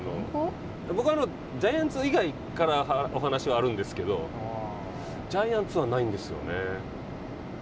僕はジャイアンツ以外からお話はあるんですけど、ジャイアンツはないんですよね。